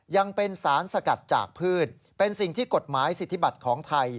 ยังเป็นสารสกัดจากพืชเป็นสิ่งที่กฎหมายสิทธิบัติของไทย